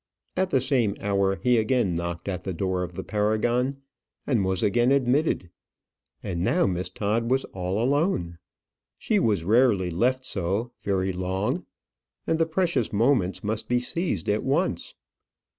At the same hour he again knocked at the door of the Paragon, and was again admitted, and now Miss Todd was all alone. She was rarely left so very long, and the precious moments must be seized at once.